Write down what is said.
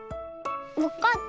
わかった。